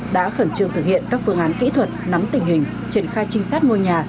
đã khẩn trương thực hiện các phương án kỹ thuật nắm tình hình triển khai trinh sát ngôi nhà